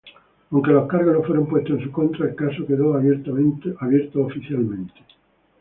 Aunque los cargos no fueron puestos en su contra, el caso quedó abierto oficialmente.